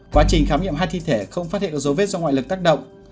quá trình khám nghiệm hai thi thể không phát hiện dấu vết do ngoại lực tác động